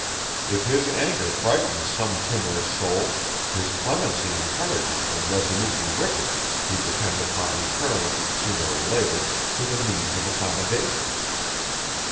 If his anger frightens some timorous souls, his clemency encourages the resolutely wicked, who depend upon recurring, sooner or later, to the means of accommodation.